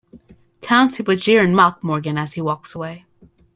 Townspeople jeer and mock Morgan as he walks away.